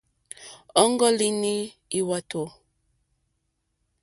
Ɔ́ŋɡɔ́línì lwàtò.